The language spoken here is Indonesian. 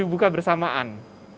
kita juga bersamaan